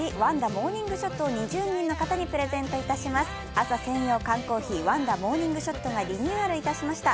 朝専用缶コーヒー、ワンダモーニングショットがリニューアルいたしました。